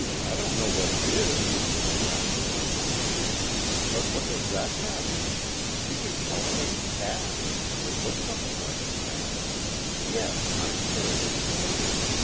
I don't know what it is," laughed Mrs. Montgomery. "What does that matter? You can call it a cat it looks something like a cat yes! I'm sure it is a cat.